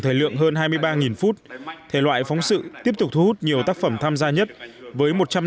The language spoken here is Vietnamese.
thể lượng hơn hai mươi ba phút thể loại phóng sự tiếp tục thu hút nhiều tác phẩm tham gia nhất với một trăm năm mươi ba